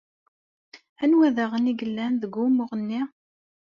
Anwa daɣen i yellan deg wumuɣ-nni?